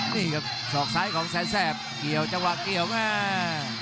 นี่ครับศอกซ้ายของแสนแสบเกี่ยวจังหวะเกี่ยวแม่